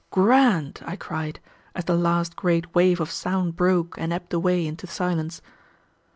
"Grand!" I cried, as the last great wave of sound broke and ebbed away into silence.